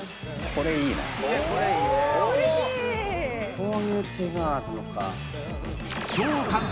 こういう手があるのか。